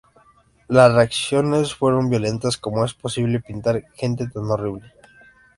Las reacciones fueron violentas: "¿Cómo es posible pintar gente tan horrible?